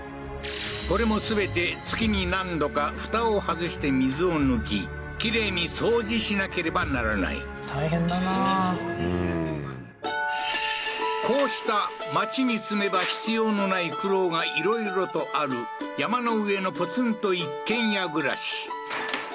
これも全て月に何度か蓋を外して水を抜ききれいに掃除しなければならない大変だなうーんこうした町に住めば必要の無い苦労がいろいろとある山の上のポツンと一軒家暮らし